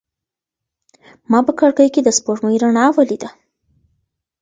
ما په کړکۍ کې د سپوږمۍ رڼا ولیده.